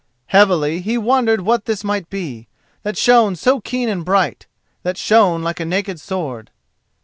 Heavily he wondered what this might be, that shone so keen and bright—that shone like a naked sword.